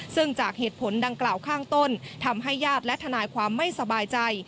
ซึ่งจากเหตุผลดังกล่าวข้างต้นทำให้ญาติและทนายความไม่สบายใจ